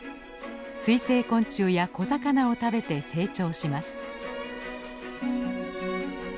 水生昆虫や小魚を食べて成長します。